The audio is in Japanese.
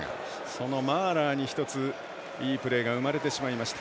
そのマーラーに１ついいプレーが生まれてしまいました。